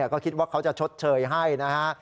ก็คิดว่าเขาจะชดเชยให้นะฮะ